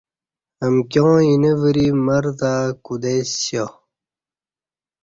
امکیاں اینہ وری مر تہ کودئیسیا